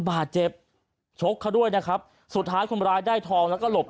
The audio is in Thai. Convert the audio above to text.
บาดเจ็บชกเขาด้วยนะครับสุดท้ายคนร้ายได้ทองแล้วก็หลบ